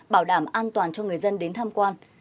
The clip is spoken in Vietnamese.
bảo đảm an toàn cho người dân đến tham quan